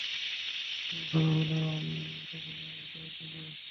সে ঘন ঘন সেখানে যায় কেন?